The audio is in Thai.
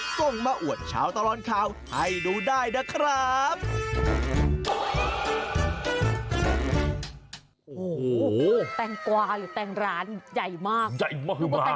ส่งมาอวดเช้าตลอดข่าวให้ดูได้นะครับ